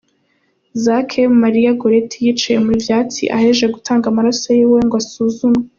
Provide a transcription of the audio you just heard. Zarake Maria Goretti yicaye mu vyatsi aheje gutanga amaraso yiwe ngo asuzumwe.